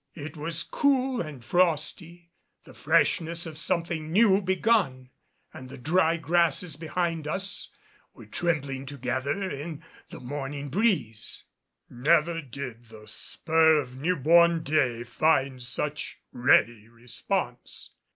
It was cool and frosty the freshness of something new begun, and the dry grasses behind us were trembling together in the morning breeze. Never did the spur of new born day find such ready response.